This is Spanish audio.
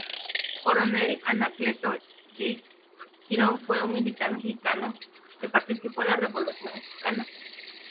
Coronel Anacleto J. Girón fue un militar mexicano que participó en la Revolución mexicana.